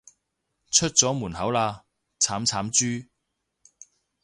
出咗門口喇，慘慘豬